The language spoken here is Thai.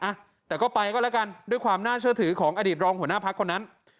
อ่ะแต่ก็ไปก็แล้วกันด้วยความน่าเชื่อถือของอดีตรองหัวหน้าพักคนนั้น